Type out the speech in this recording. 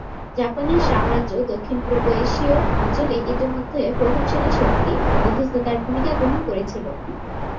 জাপানের সাম্রাজ্য, দক্ষিণ-পূর্ব এশীয় অঞ্চলে ইতিমধ্যে প্রভাবশালী শক্তি, মধ্যস্থতার ভূমিকা গ্রহণ করেছিল।